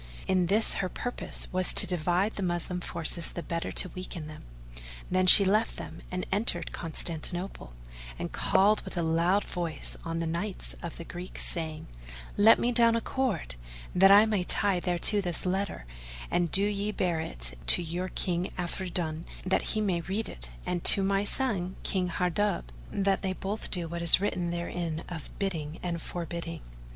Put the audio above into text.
In this her purpose was to divide the Moslem forces the better to weaken them. Then she left them; and entered Constantinople, and called with a loud voice on the knights of the Greeks, saying, "Let me down a cord that I may tie thereto this letter, and do ye bear it to your King Afridun, that he may read it and to my son King Hardub that they both do what is written therein of bidding and forbidding."